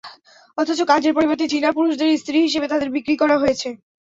অথচ কাজের পরিবর্তে চীনা পুরুষদের স্ত্রী হিসেবে তাঁদের বিক্রি করা হয়েছে।